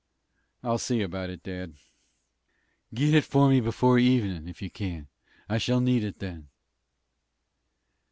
"I'll see about it, dad." "Get it for me before evenin', if you can. I shall need it then."